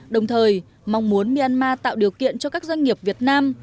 đồng thời mong muốn myanmar tạo điều kiện cho các doanh nghiệp việt nam